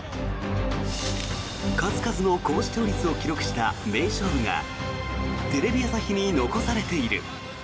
数々の高視聴率を記録した名勝負がテレビ朝日に残されている。